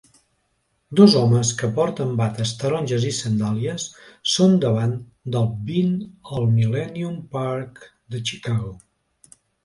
Dos homes que porten bates taronges i sandàlies són davant del Bean al Millenium Park de Chicago